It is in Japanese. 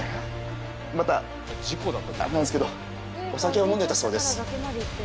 またあれなんですけどお酒を飲んでたそうです。